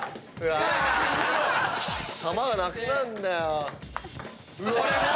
球がなくなるんだよ。